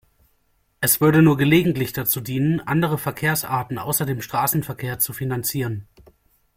Es würde nur gelegentlich dazu dienen, andere Verkehrsarten außer dem Straßenverkehr zu finanzieren.